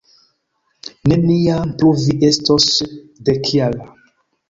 Neniam plu vi estos dekjara.